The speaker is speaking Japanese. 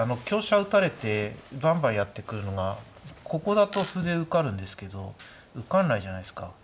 香車打たれてバンバンやってくるのがここだと歩で受かるんですけど受かんないじゃないですか。